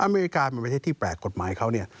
อเมริกามันไม่ใช่ที่แปลกกฎหมายเขาเนี่ย